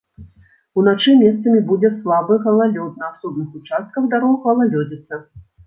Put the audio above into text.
Уначы месцамі будзе слабы галалёд, на асобных участках дарог галалёдзіца.